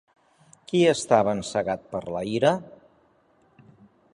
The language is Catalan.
Qui estava encegat per la ira?